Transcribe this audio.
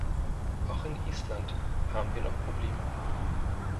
Auch in Estland haben wir noch Probleme.